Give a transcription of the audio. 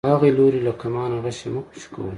هغې لورې له کمانه غشی مه خوشی کوئ.